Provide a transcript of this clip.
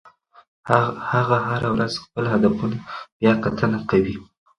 هغه هره ورځ خپل هدفونه بیاکتنه کوي.